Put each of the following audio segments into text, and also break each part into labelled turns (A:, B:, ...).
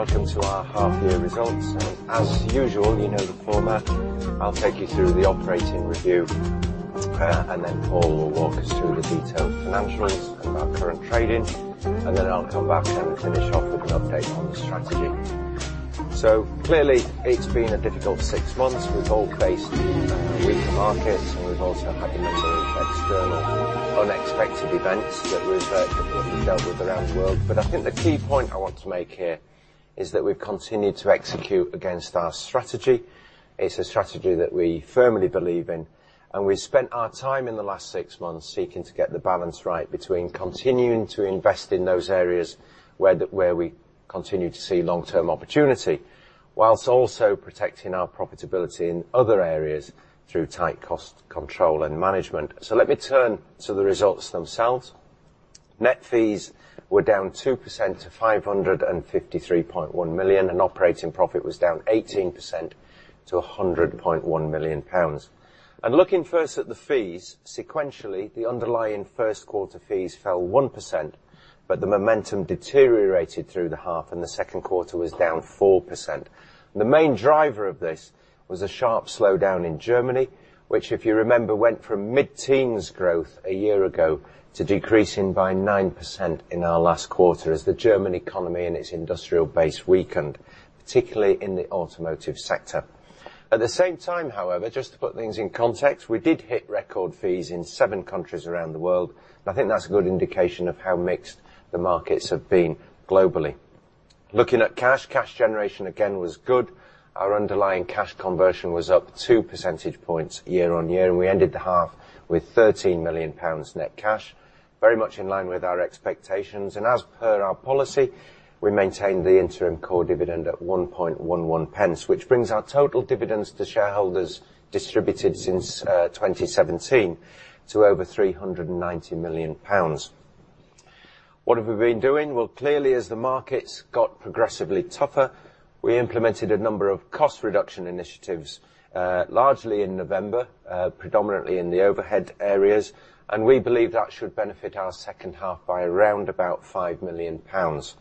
A: Welcome to our half-year results. As usual, you know the format. I'll take you through the operating review, and then Paul will walk us through the detailed financials and our current trading. I'll come back and finish off with an update on the strategy. Clearly, it's been a difficult six months. We've all faced weaker markets, and we've also had a number of external unexpected events that we've dealt with around the world. I think the key point I want to make here is that we've continued to execute against our strategy. It's a strategy that we firmly believe in, and we spent our time in the last six months seeking to get the balance right between continuing to invest in those areas where we continue to see long-term opportunity, while also protecting our profitability in other areas through tight cost control and management. Let me turn to the results themselves. Net fees were down 2% to 553.1 million, and operating profit was down 18% to 100.1 million pounds. Looking first at the fees, sequentially, the underlying Q1 fees fell 1%, but the momentum deteriorated through the half, and the Q2 was down 4%. The main driver of this was a sharp slowdown in Germany, which, if you remember, went from mid-teens growth a year ago to decreasing by 9% in our last quarter as the German economy and its industrial base weakened, particularly in the automotive sector. At the same time, however, just to put things in context, we did hit record fees in seven countries around the world. I think that's a good indication of how mixed the markets have been globally. Looking at cash generation again was good. Our underlying cash conversion was up two percentage points year-on-year. We ended the half with 13 million pounds net cash, very much in line with our expectations. As per our policy, we maintained the interim core dividend at 0.0111, which brings our total dividends to shareholders distributed since 2017 to over 390 million pounds. What have we been doing? Well, clearly, as the markets got progressively tougher, we implemented a number of cost reduction initiatives, largely in November, predominantly in the overhead areas, and we believe that should benefit our H2 by around about five million pounds.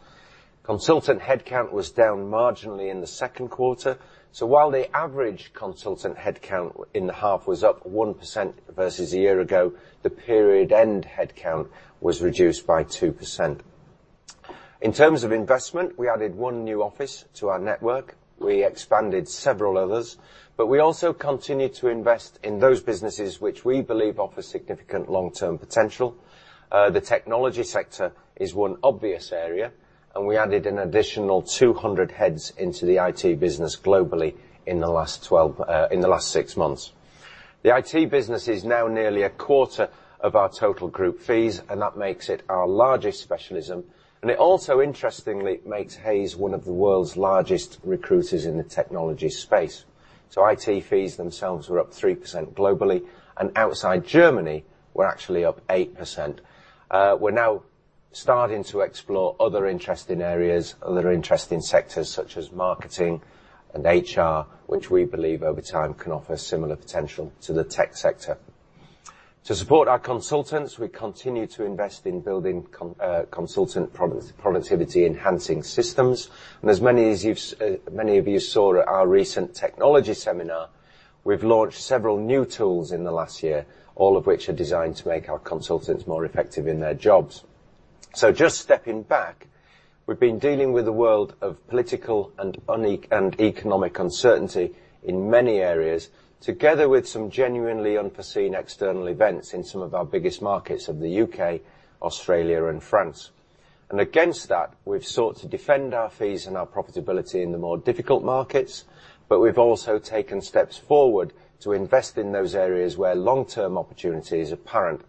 A: Consultant headcount was down marginally in the Q2. While the average consultant headcount in the half was up 1% versus a year ago, the period end headcount was reduced by 2%. In terms of investment, we added one new office to our network. We expanded several others, but we also continued to invest in those businesses which we believe offer significant long-term potential. The technology sector is one obvious area, and we added an additional 200 heads into the IT business globally in the last six months. The IT business is now nearly a quarter of our total group fees, and that makes it our largest specialism. It also interestingly makes Hays one of the world's largest recruiters in the technology space. IT fees themselves were up 3% globally, and outside Germany, we're actually up 8%. We're now starting to explore other interesting areas, other interesting sectors such as marketing and HR, which we believe over time can offer similar potential to the tech sector. To support our consultants, we continue to invest in building consultant productivity enhancing systems. As many of you saw at our recent technology seminar, we've launched several new tools in the last year, all of which are designed to make our consultants more effective in their jobs. Just stepping back, we've been dealing with a world of political and economic uncertainty in many areas, together with some genuinely unforeseen external events in some of our biggest markets of the U.K., Australia, and France. Against that, we've sought to defend our fees and our profitability in the more difficult markets, but we've also taken steps forward to invest in those areas where long-term opportunity is apparent.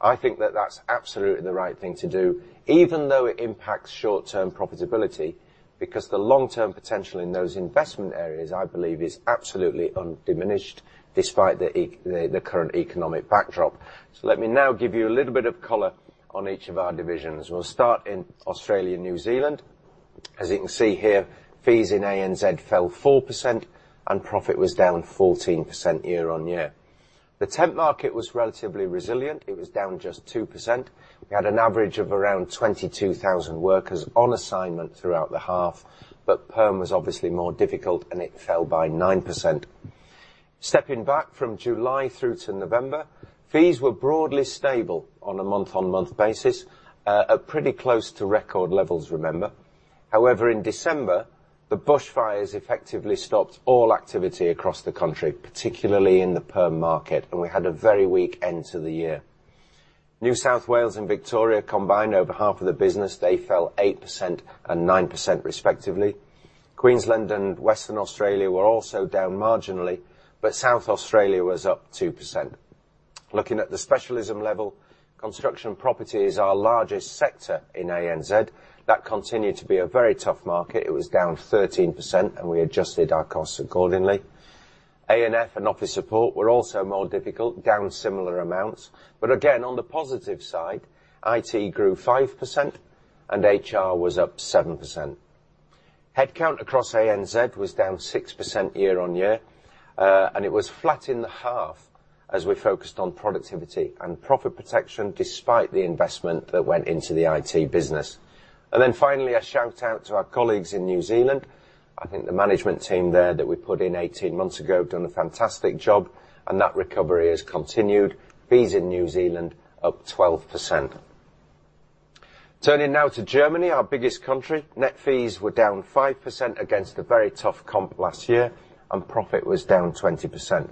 A: I think that that's absolutely the right thing to do, even though it impacts short-term profitability, because the long-term potential in those investment areas, I believe, is absolutely undiminished despite the current economic backdrop. Let me now give you a little bit of color on each of our divisions. We'll start in Australia, New Zealand. As you can see here, fees in ANZ fell 4% and profit was down 14% year-on-year. The temp market was relatively resilient. It was down just 2%. We had an average of around 22,000 workers on assignment throughout the half, but perm was obviously more difficult, and it fell by 9%. Stepping back from July through to November, fees were broadly stable on a month-on-month basis, pretty close to record levels, remember. However, in December, the bush fires effectively stopped all activity across the country, particularly in the perm market, and we had a very weak end to the year. New South Wales and Victoria combined over half of the business, they fell 8% and 9% respectively. Queensland and Western Australia were also down marginally, but South Australia was up 2%. Looking at the specialism level, construction and property is our largest sector in ANZ. That continued to be a very tough market. It was down 13%, and we adjusted our costs accordingly. A&F and Office Support were also more difficult, down similar amounts. Again, on the positive side, IT grew 5% and HR was up 7%. Headcount across ANZ was down 6% year-on-year, and it was flat in the half as we focused on productivity and profit protection, despite the investment that went into the IT business. Finally, a shout-out to our colleagues in New Zealand. I think the management team there that we put in 18 months ago have done a fantastic job, and that recovery has continued. Fees in New Zealand up 12%. Turning now to Germany, our biggest country. Net fees were down 5% against a very tough comp last year, and profit was down 20%.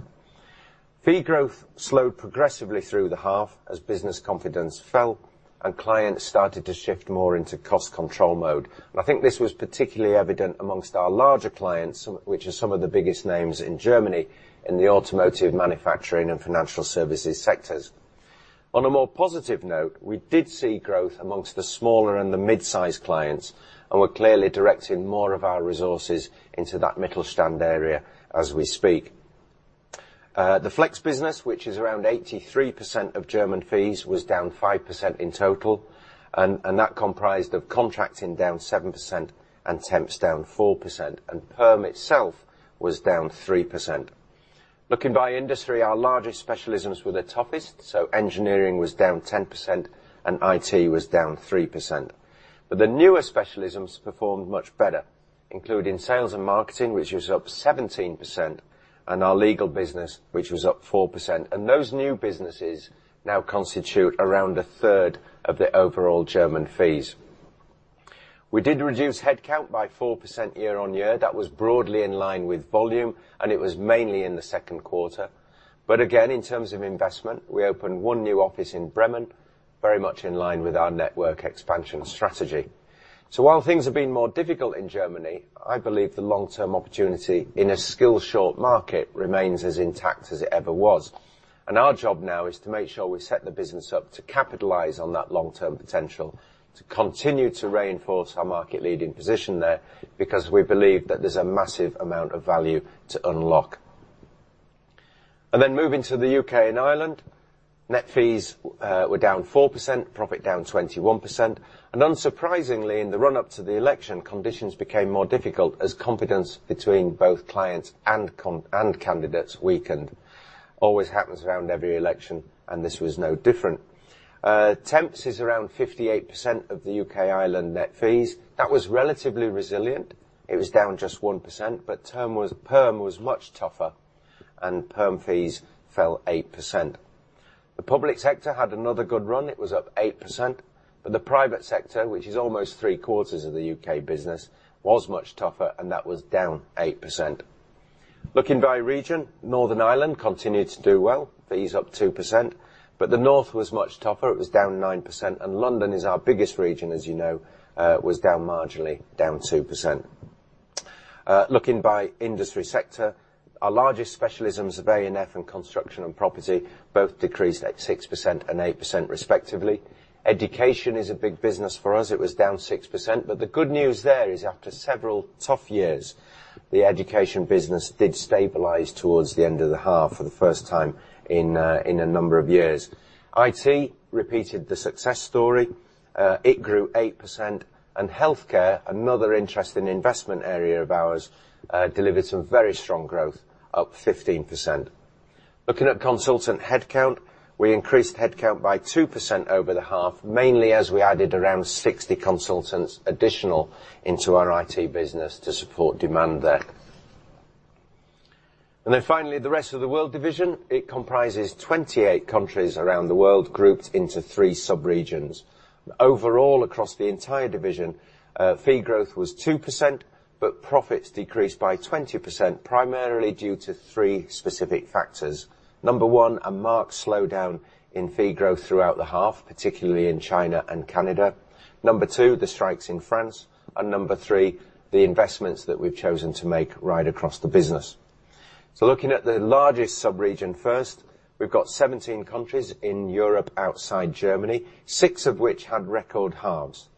A: Fee growth slowed progressively through the half as business confidence fell and clients started to shift more into cost control mode. I think this was particularly evident amongst our larger clients, which are some of the biggest names in Germany in the automotive manufacturing and financial services sectors. On a more positive note, we did see growth amongst the smaller and the mid-size clients, and we're clearly directing more of our resources into that Mittelstand area as we speak. The flex business, which is around 83% of German fees, was down 5% in total, and that comprised of contracting down 7% and temps down 4%, and perm itself was down 3%. Looking by industry, our largest specialisms were the toughest, so Engineering was down 10% and IT was down 3%. The newer specialisms performed much better, including Sales and Marketing, which was up 17%, and our Legal business, which was up 4%. Those new businesses now constitute around a third of the overall German fees. We did reduce headcount by 4% year-on-year. That was broadly in line with volume, and it was mainly in the Q2. Again, in terms of investment, we opened one new office in Bremen, very much in line with our network expansion strategy. While things have been more difficult in Germany, I believe the long-term opportunity in a skill-short market remains as intact as it ever was. Our job now is to make sure we set the business up to capitalize on that long-term potential, to continue to reinforce our market-leading position there, because we believe that there's a massive amount of value to unlock. Moving to the UK & Ireland, net fees were down 4%, profit down 21%, and unsurprisingly, in the run-up to the election, conditions became more difficult as confidence between both clients and candidates weakened. Always happens around every election. This was no different. Temps is around 58% of the UK & Ireland net fees. That was relatively resilient. It was down just 1%, but perm was much tougher, and perm fees fell 8%. The public sector had another good run. It was up 8%, but the private sector, which is almost three-quarters of the UK business, was much tougher, and that was down 8%. Looking by region, Northern Ireland continued to do well, fees up 2%, but the North was much tougher. It was down 9%, and London is our biggest region, as you know, was down marginally, down 2%. Looking by industry sector, our largest specialisms of A&F and construction and property both decreased at 6% and 8% respectively. Education is a big business for us. It was down 6%, but the good news there is after several tough years, the Education business did stabilize towards the end of the half for the first time in a number of years. IT repeated the success story. It grew 8%, and Healthcare, another interesting investment area of ours, delivered some very strong growth, up 15%. Looking at consultant headcount, we increased headcount by 2% over the half, mainly as we added around 60 consultants additional into our IT business to support demand there. Finally, the rest of the world division, it comprises 28 countries around the world grouped into three subregions. Overall, across the entire division, fee growth was 2%, but profits decreased by 20%, primarily due to three specific factors. Number one, a marked slowdown in fee growth throughout the half, particularly in China and Canada. Number two, the strikes in France, and number three, the investments that we've chosen to make right across the business. Looking at the largest subregion first, we've got 17 countries in Europe outside Germany, six of which had record halves.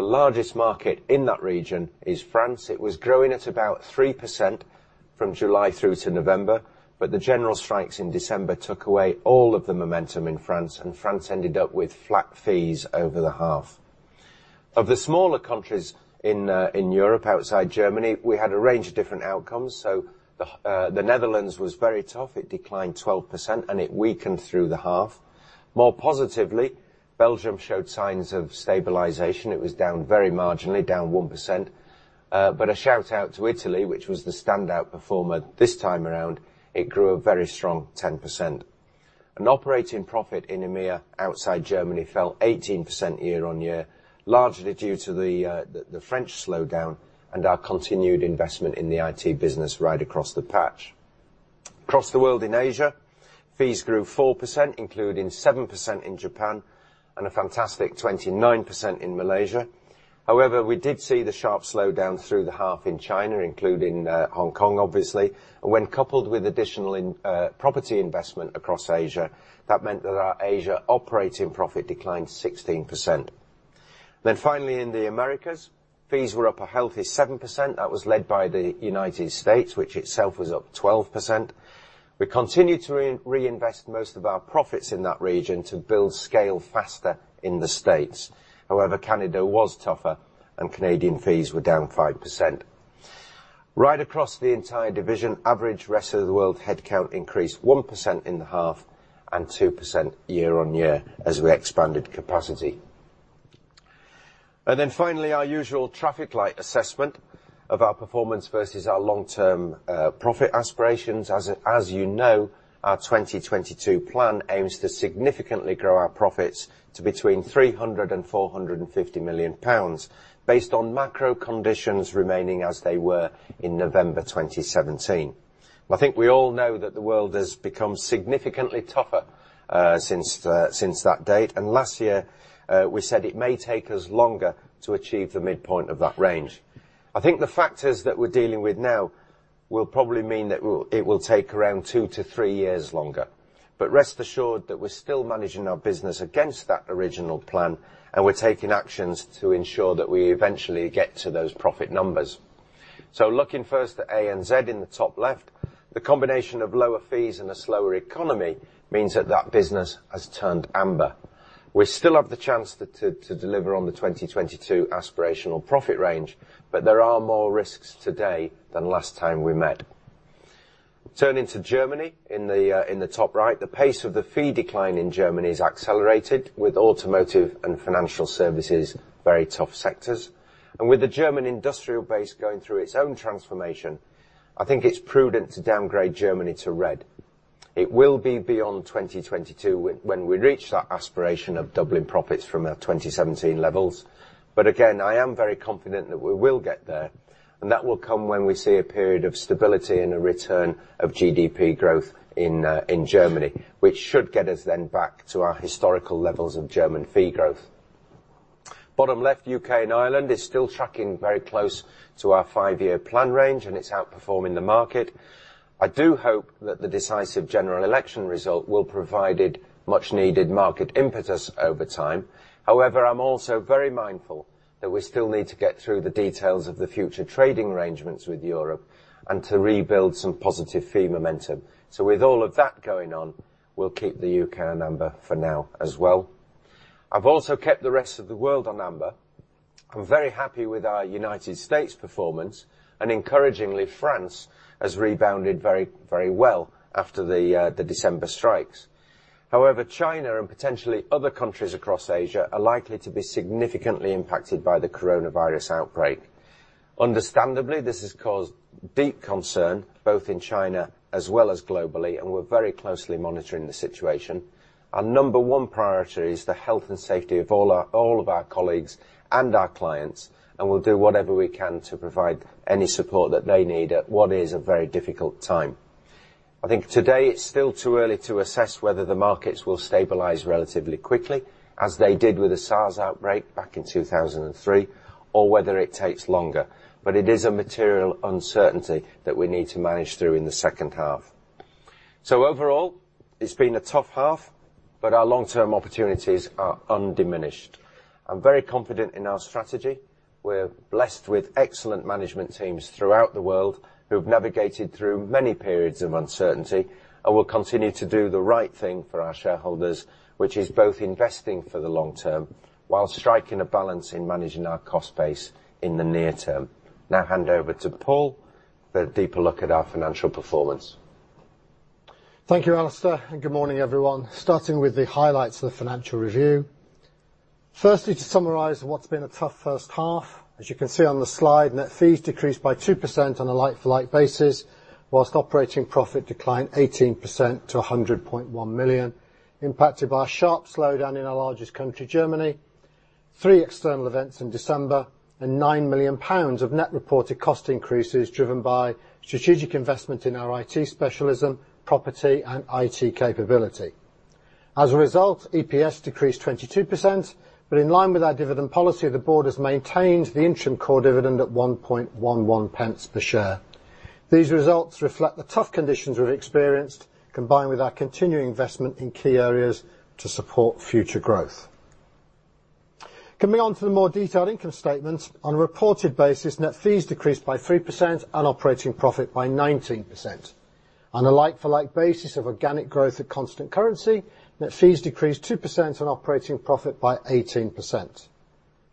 A: The largest market in that region is France. It was growing at about 3% from July through to November, but the general strikes in December took away all of the momentum in France, and France ended up with flat fees over the half. Of the smaller countries in Europe, outside Germany, we had a range of different outcomes, so the Netherlands was very tough. It declined 12% and it weakened through the half. More positively, Belgium showed signs of stabilization. It was down very marginally, down 1%, but a shout-out to Italy, which was the standout performer this time around. It grew a very strong 10%. Operating profit in EMEA, outside Germany, fell 18% year-on-year, largely due to the French slowdown and our continued investment in the IT business right across the patch. Across the world in Asia, fees grew 4%, including 7% in Japan and a fantastic 29% in Malaysia. However, we did see the sharp slowdown through the half in China, including Hong Kong, obviously. When coupled with additional property investment across Asia, that meant that our Asia operating profit declined 16%. Finally, in the Americas, fees were up a healthy 7%. That was led by the United States, which itself was up 12%. We continued to reinvest most of our profits in that region to build scale faster in the States. Canada was tougher and Canadian fees were down 5%. Right across the entire division, average rest of the world headcount increased 1% in the half and 2% year-on-year as we expanded capacity. Finally, our usual traffic light assessment of our performance versus our long-term profit aspirations. As you know, our 2022 plan aims to significantly grow our profits to between 300 million pounds and 450 million pounds based on macro conditions remaining as they were in November 2017. I think we all know that the world has become significantly tougher since that date, and last year, we said it may take us longer to achieve the midpoint of that range. I think the factors that we're dealing with now will probably mean that it will take around two to three years longer. Rest assured that we're still managing our business against that original plan, and we're taking actions to ensure that we eventually get to those profit numbers. Looking first at ANZ in the top left, the combination of lower fees and a slower economy means that that business has turned amber. We still have the chance to deliver on the 2022 aspirational profit range, but there are more risks today than last time we met. Turning to Germany in the top right, the pace of the fee decline in Germany has accelerated with automotive and financial services very tough sectors. With the German industrial base going through its own transformation, I think it's prudent to downgrade Germany to red. It will be beyond 2022 when we reach that aspiration of doubling profits from our 2017 levels. Again, I am very confident that we will get there, and that will come when we see a period of stability and a return of GDP growth in Germany, which should get us then back to our historical levels of German fee growth. Bottom left, UK & Ireland is still tracking very close to our five-year plan range, and it's outperforming the market. I do hope that the decisive general election result will provide it much needed market impetus over time. However, I'm also very mindful that we still need to get through the details of the future trading arrangements with Europe and to rebuild some positive fee momentum. With all of that going on, we'll keep the U.K. on amber for now as well. I've also kept the rest of the world on amber. I'm very happy with our United States performance. Encouragingly, France has rebounded very well after the December strikes. China and potentially other countries across Asia are likely to be significantly impacted by the coronavirus outbreak. Understandably, this has caused deep concern both in China as well as globally. We're very closely monitoring the situation. Our number one priority is the health and safety of all of our colleagues and our clients. We'll do whatever we can to provide any support that they need at what is a very difficult time. I think today it's still too early to assess whether the markets will stabilize relatively quickly as they did with the SARS outbreak back in 2003 or whether it takes longer. It is a material uncertainty that we need to manage through in the H2. Overall, it's been a tough half, but our long-term opportunities are undiminished. I'm very confident in our strategy. We're blessed with excellent management teams throughout the world who have navigated through many periods of uncertainty and will continue to do the right thing for our shareholders, which is both investing for the long term while striking a balance in managing our cost base in the near term. Now I hand over to Paul for a deeper look at our financial performance.
B: Thank you, Alistair, good morning, everyone. Starting with the highlights of the financial review. Firstly, to summarize what's been a tough H1. As you can see on the slide, net fees decreased by 2% on a like-for-like basis, whilst operating profit declined 18% to 100.1 million, impacted by a sharp slowdown in our largest country, Germany, three external events in December, and 9 million pounds of net reported cost increases driven by strategic investment in our IT specialism, property, and IT capability. As a result, EPS decreased 22%, in line with our dividend policy, the board has maintained the interim core dividend at 0.0111 per share. These results reflect the tough conditions we've experienced, combined with our continuing investment in key areas to support future growth. Coming on to the more detailed income statement. On a reported basis, net fees decreased by 3% and operating profit by 19%. On a like-for-like basis of organic growth at constant currency, net fees decreased 2% on operating profit by 18%.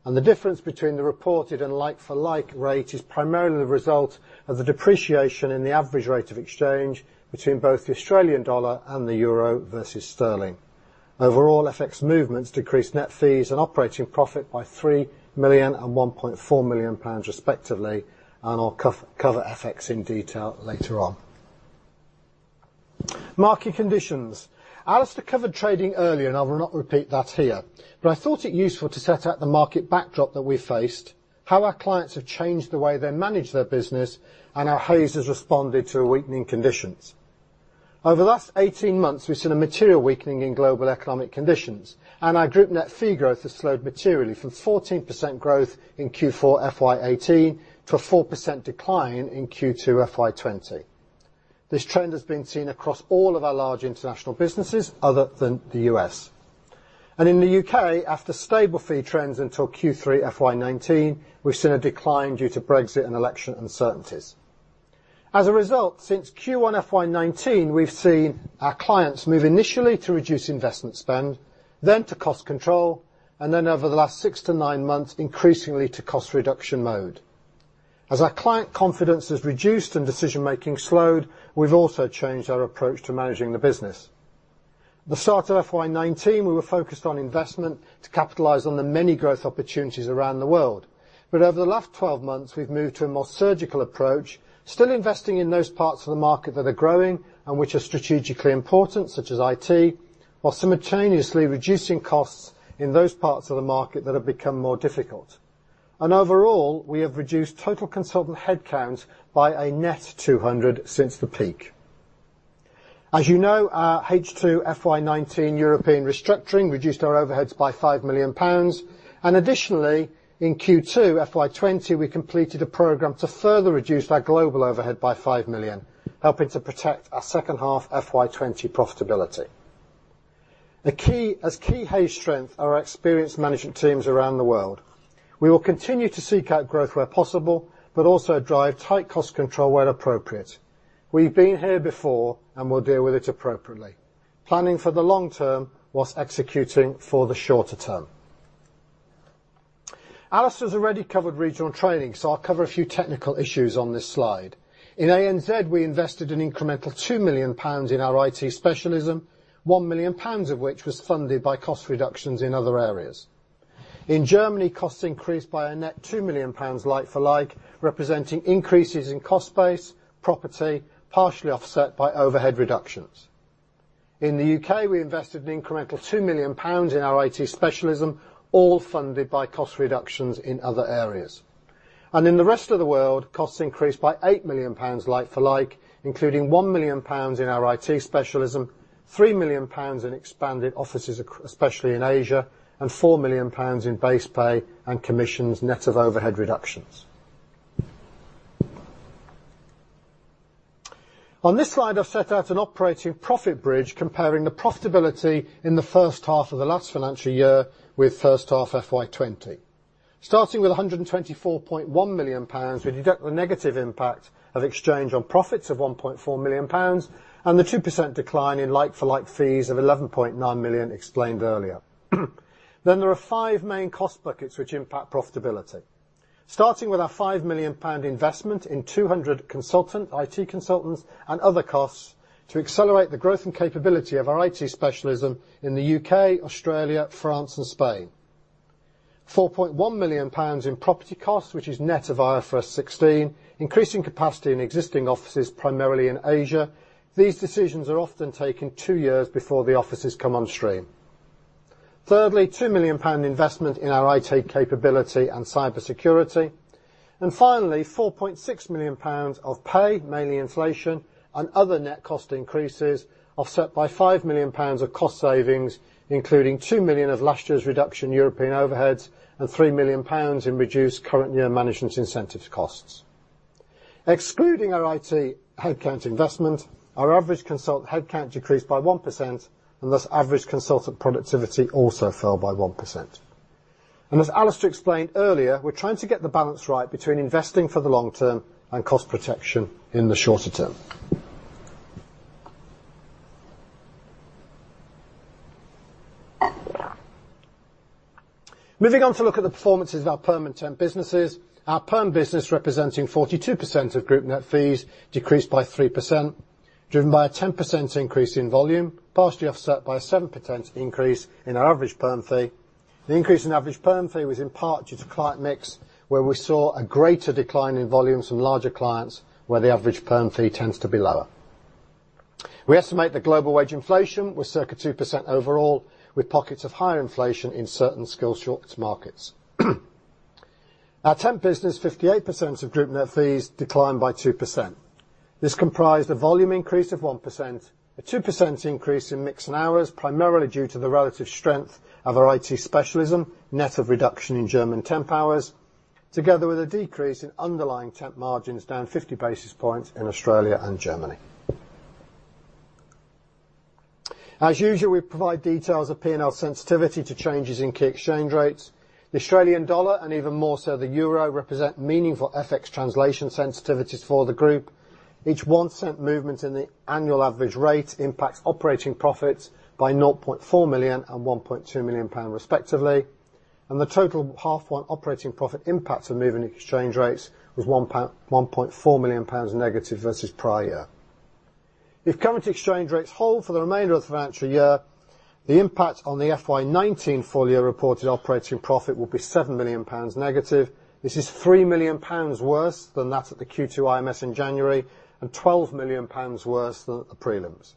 B: The difference between the reported and like-for-like rate is primarily the result of the depreciation in the average rate of exchange between both the AUD and the EUR versus GBP. Overall, FX movements decreased net fees and operating profit by 3 million and 1.4 million pounds, respectively, and I'll cover FX in detail later on. Market conditions. Alistair covered trading earlier, and I will not repeat that here. I thought it useful to set out the market backdrop that we faced, how our clients have changed the way they manage their business, and how Hays has responded to weakening conditions. Over the last 18 months, we've seen a material weakening in global economic conditions, and our group net fee growth has slowed materially from 14% growth in Q4 FY 2018 to a 4% decline in Q2 FY 2020. This trend has been seen across all of our large international businesses other than the U.S. In the U.K., after stable fee trends until Q3 FY 2019, we've seen a decline due to Brexit and election uncertainties. As a result, since Q1 FY 2019, we've seen our clients move initially to reduce investment spend, then to cost control, and then over the last six to nine months, increasingly to cost reduction mode. As our client confidence has reduced and decision-making slowed, we've also changed our approach to managing the business. At the start of FY 2019, we were focused on investment to capitalize on the many growth opportunities around the world. Over the last 12 months, we've moved to a more surgical approach, still investing in those parts of the market that are growing and which are strategically important, such as IT, while simultaneously reducing costs in those parts of the market that have become more difficult. Overall, we have reduced total consultant headcounts by a net 200 since the peak. As you know, our H2 FY 2019 European restructuring reduced our overheads by 5 million pounds. Additionally, in Q2 FY 2020, we completed a program to further reduce our global overhead by 5 million, helping to protect our H2 FY 2020 profitability. As key Hays strength are our experienced management teams around the world, we will continue to seek out growth where possible, but also drive tight cost control where appropriate. We've been here before, and we'll deal with it appropriately, planning for the long term whilst executing for the shorter term. Alistair's already covered regional trading, so I'll cover a few technical issues on this slide. In ANZ, we invested an incremental 2 million pounds in our IT specialism, 1 million pounds of which was funded by cost reductions in other areas. In Germany, costs increased by a net 2 million pounds like-for-like, representing increases in cost base, property, partially offset by overhead reductions. In the U.K., we invested an incremental 2 million pounds in our IT specialism, all funded by cost reductions in other areas. In the rest of the world, costs increased by 8 million pounds like-for-like, including 1 million pounds in our IT specialism, 3 million pounds in expanded offices, especially in Asia, and 4 million pounds in base pay and commissions, net of overhead reductions. On this slide, I've set out an operating profit bridge comparing the profitability in the H1 of the last financial year with H1 FY 2020. Starting with 124.1 million pounds, we deduct the negative impact of exchange on profits of 1.4 million pounds and the 2% decline in like-for-like fees of 11.9 million explained earlier. There are five main cost buckets which impact profitability. Starting with 5 million pound investment in 200 IT consultants and other costs to accelerate the growth and capability of our IT specialism in the U.K., Australia, France, and Spain. 4.1 million pounds in property costs, which is net of IFRS 16, increasing capacity in existing offices primarily in Asia. These decisions are often taken two years before the offices come on stream. Thirdly, 2 million pound investment in our IT capability and cybersecurity. Finally, 4.6 million pounds of pay, mainly inflation and other net cost increases, offset by 5 million pounds of cost savings, including 2 million of last year's reduction in European overheads and 3 million pounds in reduced current year management incentive costs. Excluding our IT headcount investment, our average consult headcount decreased by 1%, thus average consultant productivity also fell by 1%. As Alistair explained earlier, we're trying to get the balance right between investing for the long term and cost protection in the shorter term. Moving on to look at the performances of our Perm and Temp businesses. Our Perm business representing 42% of group net fees decreased by 3%, driven by a 10% increase in volume, partially offset by a 7% increase in our average Perm fee. The increase in average perm fee was in part due to client mix, where we saw a greater decline in volumes from larger clients where the average perm fee tends to be lower. We estimate that global wage inflation was circa 2% overall, with pockets of higher inflation in certain skill-short markets. Our temp business, 58% of group net fees declined by 2%. This comprised a volume increase of 1%, a 2% increase in mix and hours, primarily due to the relative strength of our IT specialism, net of reduction in German temp hours, together with a decrease in underlying temp margins down 50 basis points in Australia and Germany. As usual, we provide details of P&L sensitivity to changes in key exchange rates. The Australian dollar, and even more so the euro, represent meaningful FX translation sensitivities for the group. Each 0.01 movement in the annual average rate impacts operating profits by 0.4 million and 1.2 million pound respectively. The total half one operating profit impact of moving exchange rates was 1.4 million pounds negative versus prior year. If current exchange rates hold for the remainder of the financial year, the impact on the FY19 full-year reported operating profit will be 7 million pounds negative. This is 3 million pounds worse than that at the Q2 IMS in January and 12 million pounds worse than at the prelims.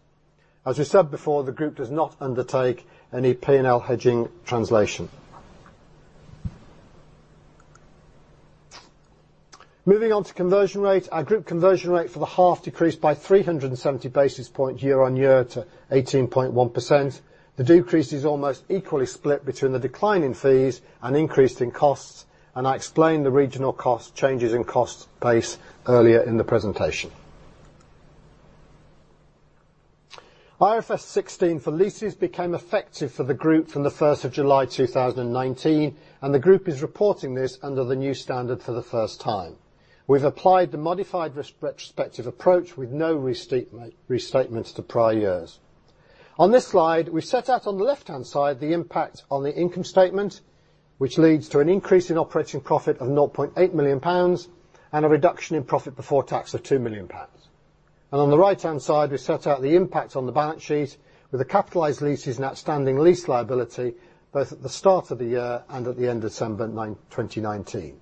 B: As we said before, the group does not undertake any P&L hedging translation. Moving on to conversion rate. Our group conversion rate for the half decreased by 370 basis points year on year to 18.1%. The decrease is almost equally split between the decline in fees and increase in costs. I explained the regional changes in cost base earlier in the presentation. IFRS 16 for leases became effective for the group from the July 1st, 2019. The group is reporting this under the new standard for the first time. We've applied the modified retrospective approach with no restatements to prior years. On this slide, we set out on the left-hand side the impact on the income statement, which leads to an increase in operating profit of 0.8 million pounds and a reduction in profit before tax of 2 million pounds. On the right-hand side, we set out the impact on the balance sheet with the capitalized leases and outstanding lease liability, both at the start of the year and at the end of December 2019.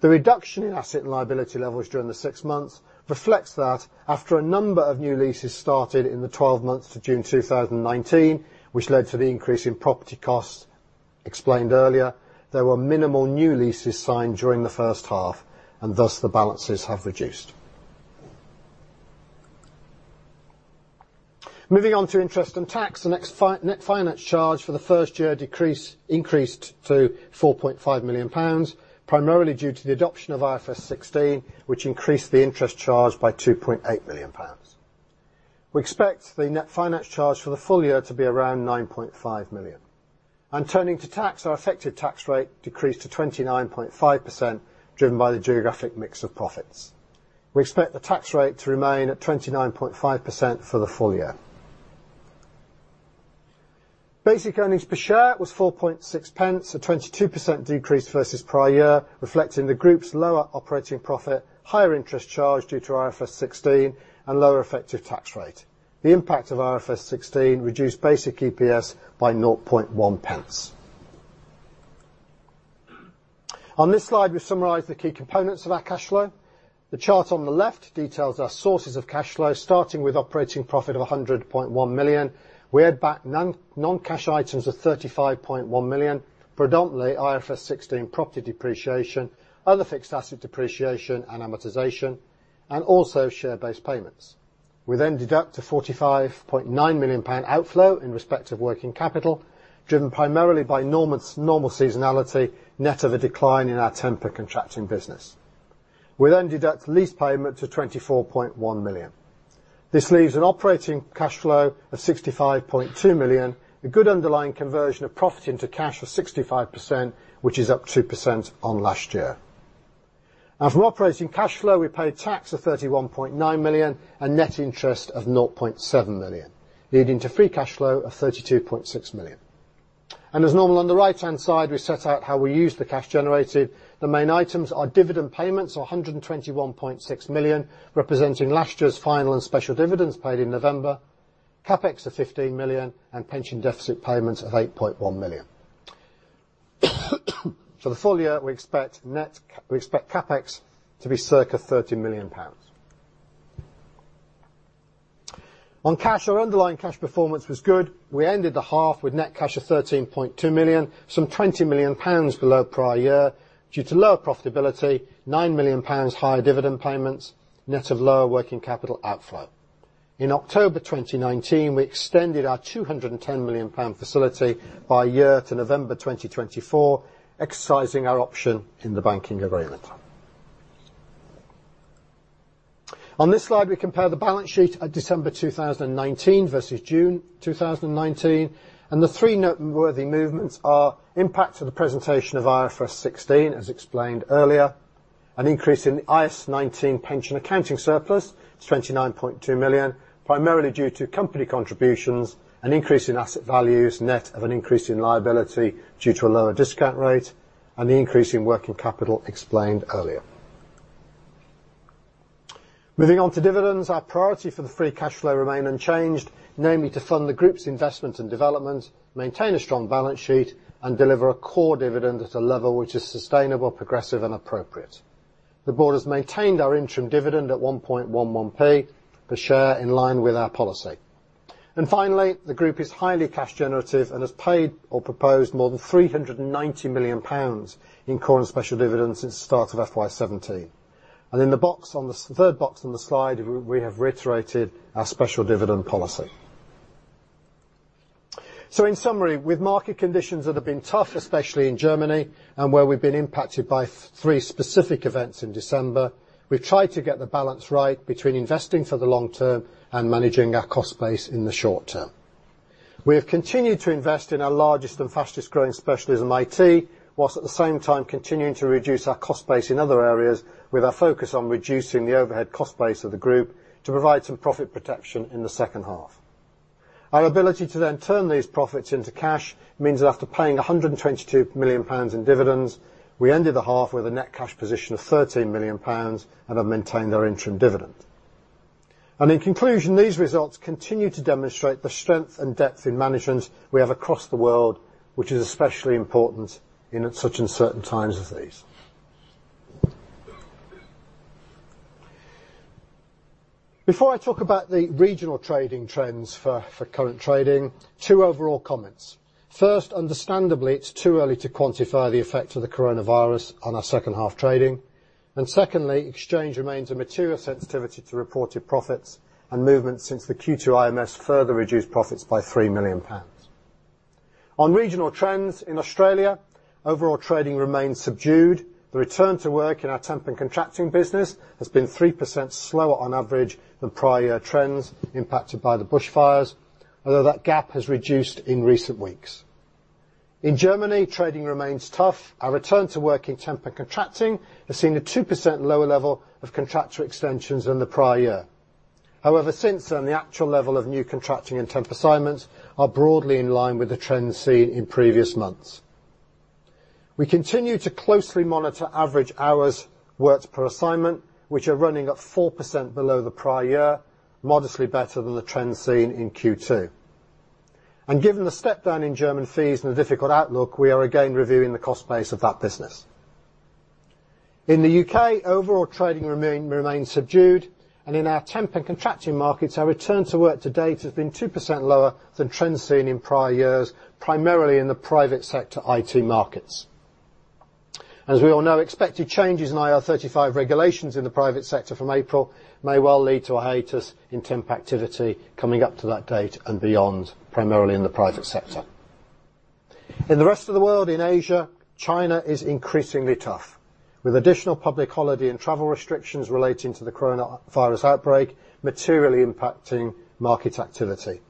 B: The reduction in asset and liability levels during the six months reflects that after a number of new leases started in the 12 months to June 2019, which led to the increase in property costs explained earlier, there were minimal new leases signed during the H1, and thus the balances have reduced. Moving on to interest and tax, the net finance charge for the first year increased to 4.5 million pounds, primarily due to the adoption of IFRS 16, which increased the interest charge by 2.8 million pounds. We expect the net finance charge for the full year to be around 9.5 million. Turning to tax, our effective tax rate decreased to 29.5%, driven by the geographic mix of profits. We expect the tax rate to remain at 29.5% for the full year. Basic earnings per share was 0.046, a 22% decrease versus prior year, reflecting the group's lower operating profit, higher interest charge due to IFRS 16, and lower effective tax rate. The impact of IFRS 16 reduced basic EPS by 0.001. On this slide, we summarize the key components of our cash flow. The chart on the left details our sources of cash flow, starting with operating profit of 100.1 million. We add back non-cash items of 35.1 million, predominantly IFRS 16 property depreciation, other fixed asset depreciation and amortization, and also share-based payments. We deduct a 45.9 million pound outflow in respective working capital, driven primarily by normal seasonality, net of a decline in our temp and contracting business. We deduct lease payment to 24.1 million. This leaves an operating cash flow of 65.2 million, a good underlying conversion of profit into cash of 65%, which is up 2% on last year. From operating cash flow, we paid tax of 31.9 million and net interest of 0.7 million, leading to free cash flow of 32.6 million. As normal, on the right-hand side, we set out how we use the cash generated. The main items are dividend payments of 121.6 million, representing last year's final and special dividends paid in November, CapEx of 15 million, and pension deficit payments of 8.1 million. For the full year, we expect CapEx to be circa 30 million pounds. On cash, our underlying cash performance was good. We ended the half with net cash of 13.2 million, some 20 million pounds below prior year due to lower profitability, 9 million pounds higher dividend payments, net of lower working capital outflow. In October 2019, we extended our 210 million pound facility by a year to November 2024, exercising our option in the banking agreement. On this slide, we compare the balance sheet at December 2019 versus June 2019. The three noteworthy movements are impact of the presentation of IFRS 16, as explained earlier, an increase in the IAS 19 pension accounting surplus to 29.2 million, primarily due to company contributions and increase in asset values net of an increase in liability due to a lower discount rate, and the increase in working capital explained earlier. Moving on to dividends, our priority for the free cash flow remain unchanged, namely to fund the group's investment and development, maintain a strong balance sheet, and deliver a core dividend at a level which is sustainable, progressive, and appropriate. The board has maintained our interim dividend at 0.0111 per share in line with our policy. Finally, the group is highly cash generative and has paid or proposed more than 390 million pounds in core and special dividends since the start of FY 2017. In the third box on the slide, we have reiterated our special dividend policy. In summary, with market conditions that have been tough, especially in Germany, and where we've been impacted by three specific events in December, we've tried to get the balance right between investing for the long term and managing our cost base in the short term. We have continued to invest in our largest and fastest growing specialism, IT, whilst at the same time continuing to reduce our cost base in other areas with our focus on reducing the overhead cost base of the group to provide some profit protection in the H2. Our ability to then turn these profits into cash means that after paying 122 million pounds in dividends, we ended the half with a net cash position of 13 million pounds and have maintained our interim dividend. In conclusion, these results continue to demonstrate the strength and depth in management we have across the world, which is especially important in such uncertain times as these. Before I talk about the regional trading trends for current trading, two overall comments. First, understandably, it's too early to quantify the effect of the coronavirus on our H2 trading. Secondly, exchange remains a material sensitivity to reported profits, and movements since the Q2 IMS further reduced profits by 3 million pounds. Regional trends in Australia, overall trading remains subdued. The return to work in our temp and contracting business has been 3% slower on average than prior year trends impacted by the bushfires, although that gap has reduced in recent weeks. Germany, trading remains tough. Our return to work in temp and contracting has seen a 2% lower level of contractor extensions than the prior year. Since then the actual level of new contracting and temp assignments are broadly in line with the trends seen in previous months. We continue to closely monitor average hours worked per assignment, which are running at 4% below the prior year, modestly better than the trend seen in Q2. Given the step down in German fees and the difficult outlook, we are again reviewing the cost base of that business. In the UK, overall trading remains subdued, and in our temp and contracting markets our return to work to date has been 2% lower than trends seen in prior years, primarily in the private sector IT markets. As we all know, expected changes in IR35 regulations in the private sector from April may well lead to a hiatus in temp activity coming up to that date and beyond, primarily in the private sector. In the rest of the world, in Asia, China is increasingly tough, with additional public holiday and travel restrictions relating to the coronavirus outbreak materially impacting market activity.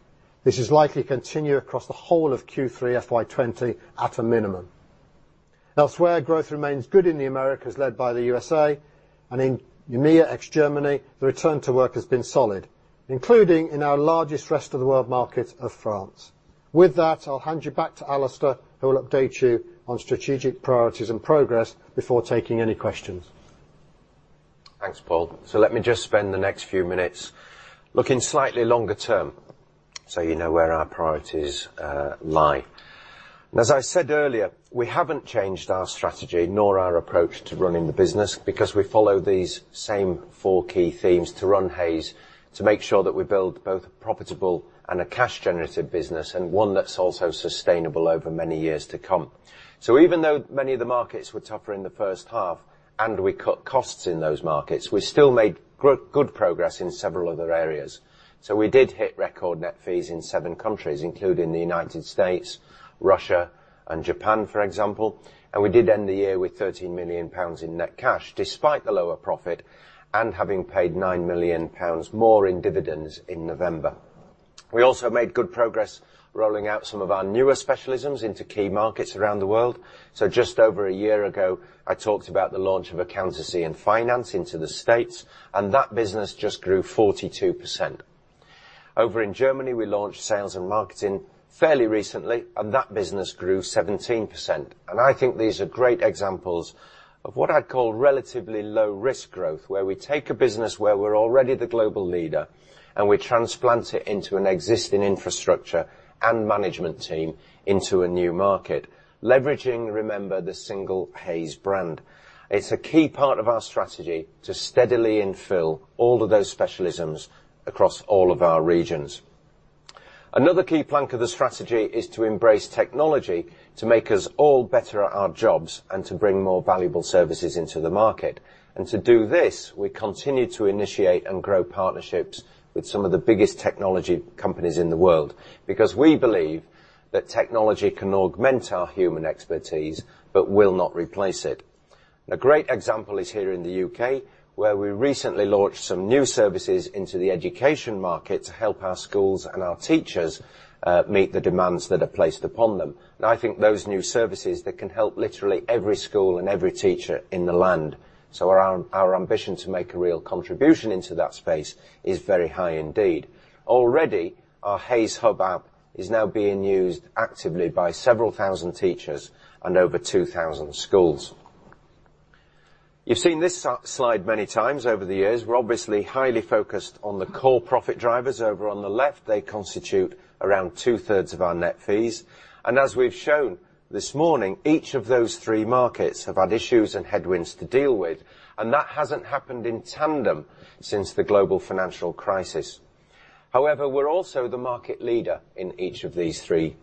B: This is likely to continue across the whole of Q3 FY 2020 at a minimum. Elsewhere, growth remains good in the Americas, led by the U.S.A., and in EMEA ex-Germany, the return to work has been solid, including in our largest rest of the world market of France. With that, I'll hand you back to Alistair, who will update you on strategic priorities and progress before taking any questions.
A: Thanks, Paul. Let me just spend the next few minutes looking slightly longer term so you know where our priorities lie. As I said earlier, we haven't changed our strategy nor our approach to running the business because we follow these same four key themes to run Hays to make sure that we build both a profitable and a cash generative business, and one that's also sustainable over many years to come. Even though many of the markets were tougher in the H1 and we cut costs in those markets, we still made good progress in several other areas. We did hit record net fees in seven countries, including the United States, Russia, and Japan, for example, and we did end the year with 13 million pounds in net cash, despite the lower profit and having paid 9 million pounds more in dividends in November. We also made good progress rolling out some of our newer specialisms into key markets around the world. Just over a year ago, I talked about the launch of accountancy and finance into the U.S., and that business just grew 42%. Over in Germany, we launched Sales and Marketing fairly recently, and that business grew 17%. I think these are great examples of what I'd call relatively low risk growth, where we take a business where we're already the global leader and we transplant it into an existing infrastructure and management team into a new market, leveraging, remember, the single Hays brand. It's a key part of our strategy to steadily infill all of those specialisms across all of our regions. Another key plank of the strategy is to embrace technology to make us all better at our jobs and to bring more valuable services into the market. To do this, we continue to initiate and grow partnerships with some of the biggest technology companies in the world, because we believe that technology can augment our human expertise but will not replace it. A great example is here in the U.K., where we recently launched some new services into the Education market to help our schools and our teachers meet the demands that are placed upon them. I think those new services that can help literally every school and every teacher in the land. Our ambition to make a real contribution into that space is very high indeed. Already, our Hays Hub app is now being used actively by several thousand teachers and over 2,000 schools. You've seen this slide many times over the years. We're obviously highly focused on the core profit drivers over on the left. They constitute around two-thirds of our net fees. As we've shown this morning, each of those three markets have had issues and headwinds to deal with, and that hasn't happened in tandem since the global financial crisis. We're also the market leader in each of these three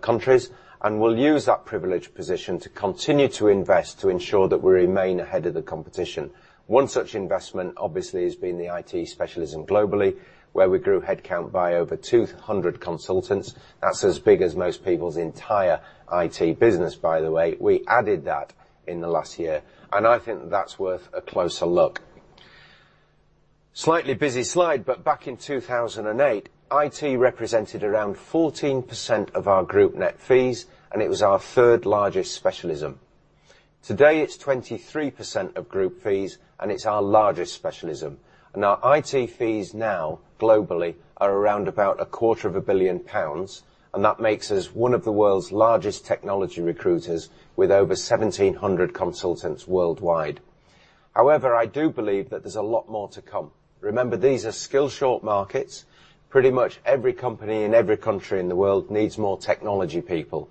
A: countries, and we'll use that privileged position to continue to invest to ensure that we remain ahead of the competition. One such investment obviously has been the IT specialism globally, where we grew headcount by over 200 consultants. That's as big as most people's entire IT business, by the way. We added that in the last year, and I think that's worth a closer look. Slightly busy slide. Back in 2008, IT represented around 14% of our group net fees, and it was our third largest specialism. Today, it's 23% of group fees, and it's our largest specialism. Our IT fees now globally are around about a quarter of a billion pounds, and that makes us one of the world's largest technology recruiters with over 1,700 consultants worldwide. However, I do believe that there's a lot more to come. Remember, these are skill short markets. Pretty much every company in every country in the world needs more technology people.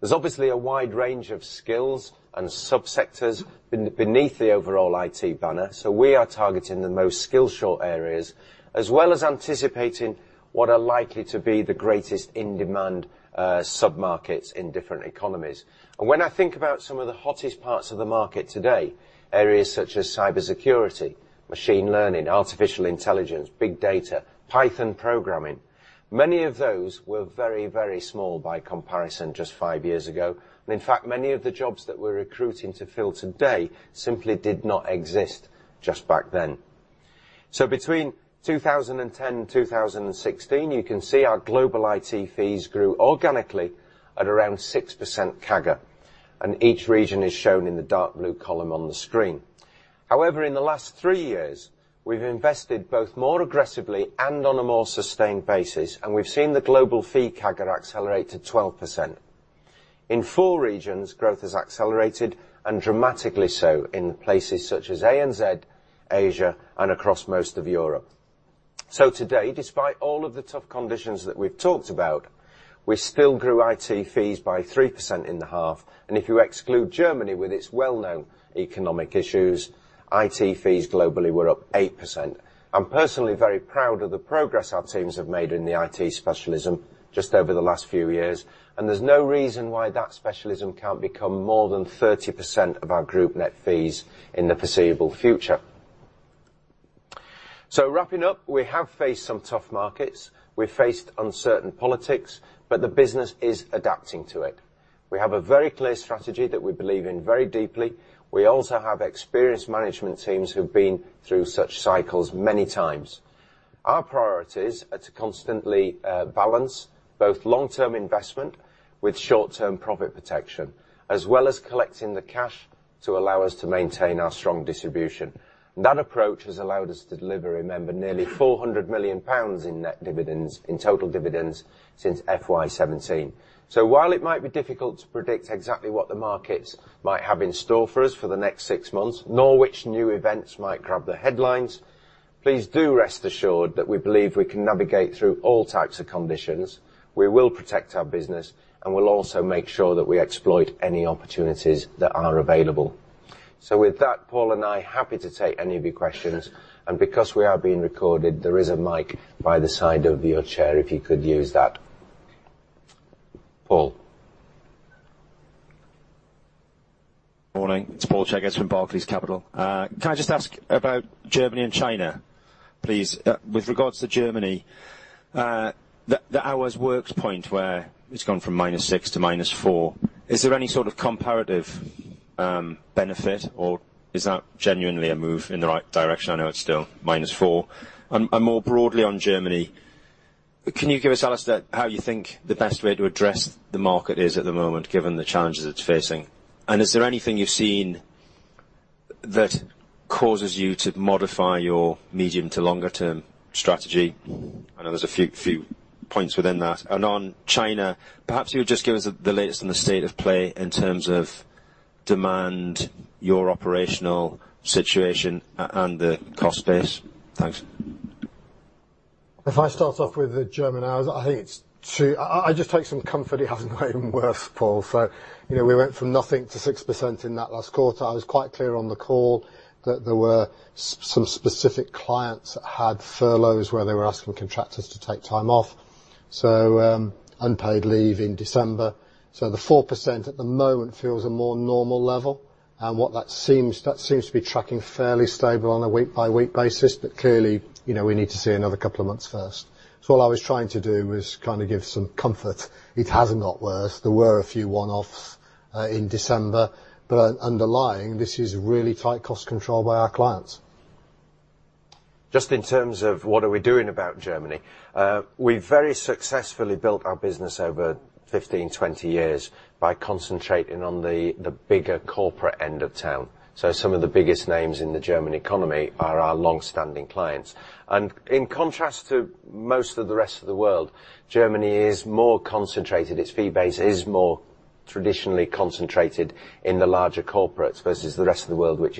A: There's obviously a wide range of skills and sub-sectors beneath the overall IT banner, so we are targeting the most skill short areas, as well as anticipating what are likely to be the greatest in-demand sub-markets in different economies. When I think about some of the hottest parts of the market today, areas such as cybersecurity, machine learning, artificial intelligence, big data, Python programming, many of those were very small by comparison just five years ago. In fact, many of the jobs that we're recruiting to fill today simply did not exist just back then. Between 2010 and 2016, you can see our global IT fees grew organically at around 6% CAGR, and each region is shown in the dark blue column on the screen. However, in the last three years, we've invested both more aggressively and on a more sustained basis, and we've seen the global fee CAGR accelerate to 12%. In four regions, growth has accelerated and dramatically so in places such as ANZ, Asia, and across most of Europe. Today, despite all of the tough conditions that we've talked about, we still grew IT fees by 3% in the half. If you exclude Germany with its well-known economic issues, IT fees globally were up 8%. I'm personally very proud of the progress our teams have made in the IT specialism just over the last few years, and there's no reason why that specialism can't become more than 30% of our group net fees in the foreseeable future. Wrapping up, we have faced some tough markets. We've faced uncertain politics, but the business is adapting to it. We have a very clear strategy that we believe in very deeply. We also have experienced management teams who've been through such cycles many times. Our priorities are to constantly balance both long-term investment with short-term profit protection, as well as collecting the cash to allow us to maintain our strong distribution. That approach has allowed us to deliver, remember, nearly 400 million pounds in net dividends, in total dividends since FY 2017. While it might be difficult to predict exactly what the markets might have in store for us for the next six months, nor which new events might grab the headlines, please do rest assured that we believe we can navigate through all types of conditions. We will protect our business, and we'll also make sure that we exploit any opportunities that are available. With that, Paul and I happy to take any of your questions, and because we are being recorded, there is a mic by the side of your chair if you could use that. Paul.
C: Morning. It's Paul Checketts from Barclays Capital. Can I just ask about Germany and China, please? With regards to Germany, the hours worked point where it's gone from minus six to minus four. Is there any sort of comparative benefit, or is that genuinely a move in the right direction? I know it's still minus four. More broadly on Germany, can you give us, Alistair, how you think the best way to address the market is at the moment given the challenges it's facing? Is there anything you've seen that causes you to modify your medium to longer term strategy? I know there's a few points within that. On China, perhaps you would just give us the latest on the state of play in terms of demand, your operational situation, and the cost base. Thanks.
B: If I start off with the German hours, I just take some comfort it hasn't gotten worse, Paul. We went from nothing to 6% in that last quarter. I was quite clear on the call that there were some specific clients that had furloughs where they were asking contractors to take time off, unpaid leave in December. The 4% at the moment feels a more normal level, and that seems to be tracking fairly stable on a week-by-week basis. Clearly, we need to see another couple of months first. All I was trying to do was give some comfort. It hasn't got worse. There were a few one-offs in December, but underlying, this is really tight cost control by our clients.
A: Just in terms of what are we doing about Germany. We've very successfully built our business over 15, 20 years by concentrating on the bigger corporate end of town. Some of the biggest names in the German economy are our long-standing clients. In contrast to most of the rest of the world, Germany is more concentrated. Its fee base is more traditionally concentrated in the larger corporates versus the rest of the world which-